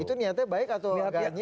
itu niatnya baik atau warganya